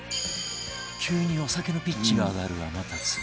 急にお酒のピッチが上がる天達